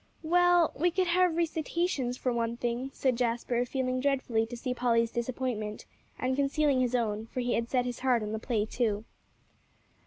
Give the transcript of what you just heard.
"Well, we could have recitations, for one thing," said Jasper, feeling dreadfully to see Polly's disappointment, and concealing his own, for he had set his heart on the play too.